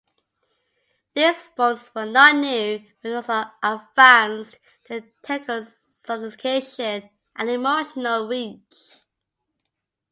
These forms were not new, but Mozart advanced their technical sophistication and emotional reach.